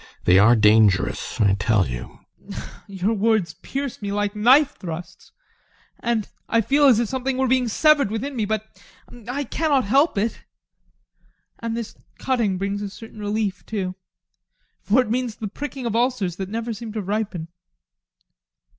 They are dangerous, I tell you. ADOLPH. Your words pierce me like knife thrusts, and I fool as if something were being severed within me, but I cannot help it. And this cutting brings a certain relief, too. For it means the pricking of ulcers that never seemed to ripen.